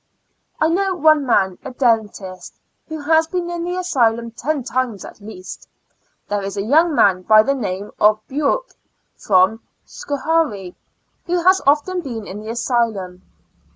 I know one man, a dentist, who has been in the asylum ten times at least. There is a 3^oung man by the name of Bouck, from Schoharie, who has often been in the asy lum.